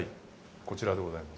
こちらでございます。